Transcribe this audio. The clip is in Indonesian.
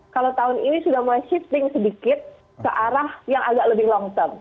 kalau tahun ini sudah mulai shifting sedikit ke arah yang agak lebih long term